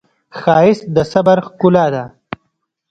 ښایست د صبر ښکلا ده